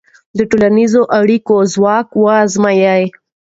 د ټولنیزو اړیکو ځواک وازمویه.